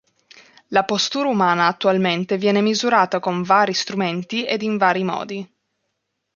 La postura umana attualmente viene misurata con vari strumenti ed in vari modi.